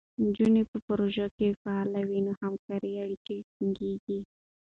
نجونې په پروژو کې فعالې وي، نو همکارۍ اړیکې ټینګېږي.